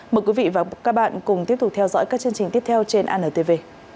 mời quý vị và các bạn cùng tiếp tục theo dõi các chương trình tiếp theo trên antv